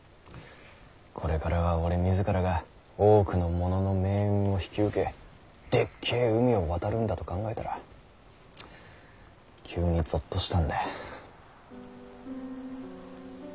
これからは俺自らが多くの者の命運を引き受けでっけぇ海を渡るんだと考えたら急にゾッとしたんだい。